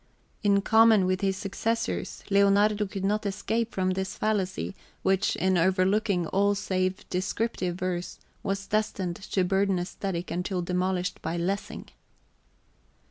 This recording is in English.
In common with his successors, Leonardo could not escape from this fallacy, which, in overlooking all save descriptive verse, was destined to burden aesthetic until demolished by Lessing.